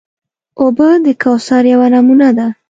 اوبه د کوثر یوه نمونه ده.